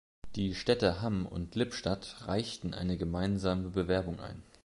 Die Städte Hamm und Lippstadt reichten eine gemeinsame Bewerbung ein.